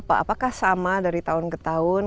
apakah sama dari tahun ke tahun